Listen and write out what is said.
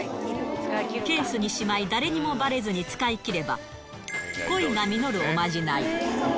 ケースにしまい誰にもばれずに使い切れば、恋が実るおまじない。